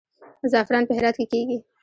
زعفران په هرات کې کیږي